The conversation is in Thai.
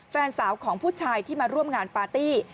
แฟนสาวของผู้ชายที่มาร่วมงานปาร์ตี้